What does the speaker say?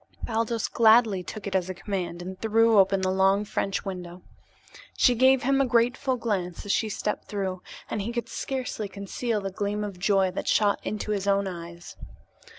Baldos gladly took it as a command and threw open the long French window. She gave him a grateful glance as she stepped through, and he could scarcely conceal the gleam of joy that shot into his own eyes.